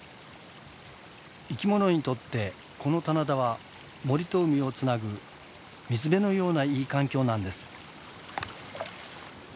生き物にとってこの棚田は森と海をつなぐ水辺のようないい環境なんです。